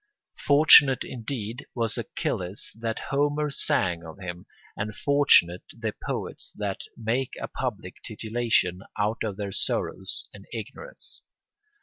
Fortunate indeed was Achilles that Homer sang of him, and fortunate the poets that make a public titillation out of their sorrows and ignorance.